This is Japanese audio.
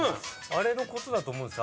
あれのことだと思うんです。